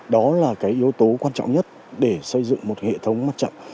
đó là cái yếu tố quan trọng nhất để xây dựng một hệ thống mắt chậm